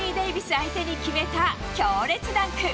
相手に決めた強烈ダンク。